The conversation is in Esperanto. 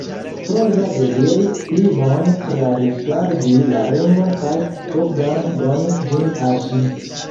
Roza deziris pli bone trarigardi la ringon kaj Bogdan donis ĝin al ŝi.